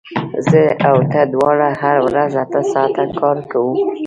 زه او ته دواړه هره ورځ اته ساعته کار کوو